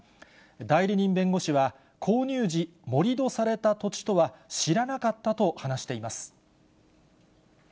代理人弁護士は、購入時、盛り土された土地とは知らなかったと話しています。